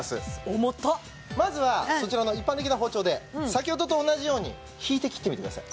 重たっまずはそちらの一般的な包丁で先ほどと同じように引いて切ってみてください